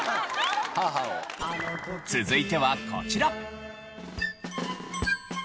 続いてはこちら。